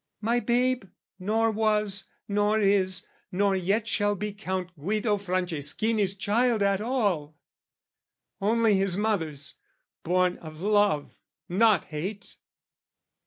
My babe nor was, nor is, nor yet shall be Count Guido Franceschini's child at all Only his mother's, born of love not hate!